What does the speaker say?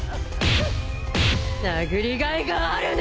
殴りがいがあるね！